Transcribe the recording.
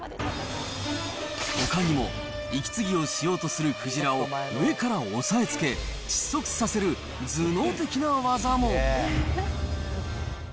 ほかにも、息継ぎをしようとするクジラをから押さえつけ、窒息させる頭脳的な技も。